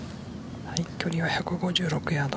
距離は１５６ヤード。